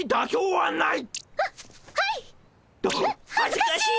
はっ恥ずかしい！